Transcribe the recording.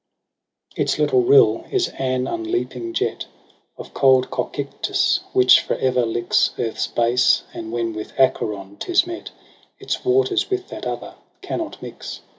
16 ' Its little riU is an upleaping jet Of cold Cocytus, which for ever licks Earth's base, and when with Acheron 'tis met, Its waters with that other cannot mix.